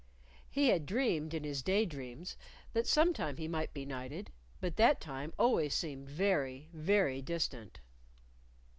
He had dreamed in his day dreams that some time he might be knighted, but that time always seemed very, very distant.